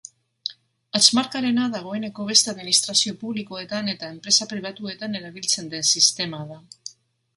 Hatz markarena dagoeneko beste administrazio publikoetan eta enpresa pribatuetan erabiltzen den sistema da.